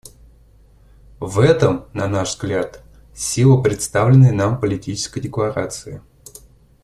В этом, на наш взгляд, сила представленной нам Политической декларации.